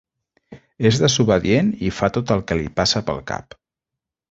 És desobedient i fa tot el que li passa pel cap.